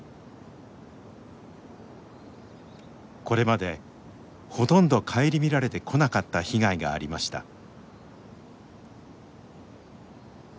これまでほとんど顧みられてこなかった被害がありました。